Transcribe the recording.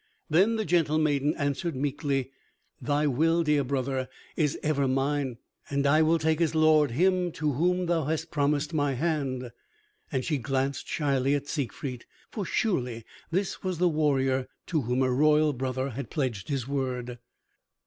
Then the gentle maiden answered meekly, "Thy will, dear brother, is ever mine. I will take as lord him to whom thou hast promised my hand." And she glanced shyly at Siegfried, for surely this was the warrior to whom her royal brother had pledged his word.